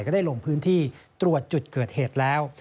ได้ลงพื้นที่ตรวจจุดเกิดเหตุแล้ว